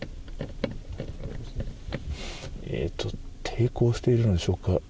抵抗しているのでしょうか。